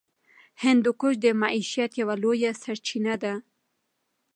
هندوکش د معیشت یوه لویه سرچینه ده.